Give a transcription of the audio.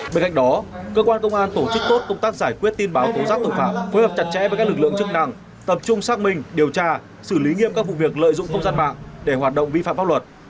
bên cạnh đó cơ quan công an tổ chức tốt công tác giải quyết tin báo tố giác tội phạm phối hợp chặt chẽ với các lực lượng chức năng tập trung xác minh điều tra xử lý nghiêm các vụ việc lợi dụng không gian mạng để hoạt động vi phạm pháp luật